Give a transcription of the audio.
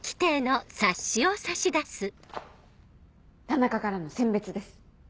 田中からの餞別です。